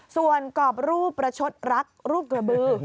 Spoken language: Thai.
ส่วนกรอบรูปประชดรักรูปเกลาเบอร์